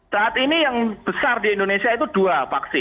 saat ini yang besar di indonesia itu dua vaksi